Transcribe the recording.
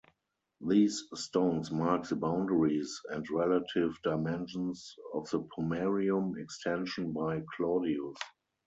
These stones mark the boundaries and relative dimensions of the pomerium extension by Claudius.